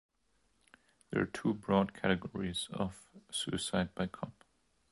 There are two broad categories of "suicide by cop".